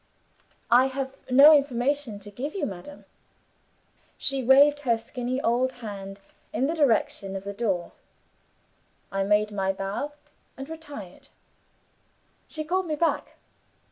'I have no information to give you, madam.' She waved her skinny old hand in the direction of the door. I made my bow, and retired. She called me back.